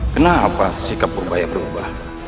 kenapa sikap berubah yang berubah